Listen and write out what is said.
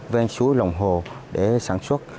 ven suối lồng hồ để sản xuất